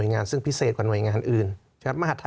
ทำไมรัฐต้องเอาเงินภาษีประชาชน